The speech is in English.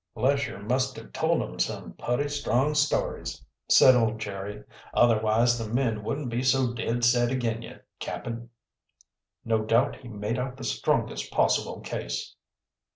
"Lesher must have told 'em some putty strong stories," said old Jerry. "Otherwise the men wouldn't be so dead set ag'in ye, cap'n." "No doubt he made out the strongest possible case."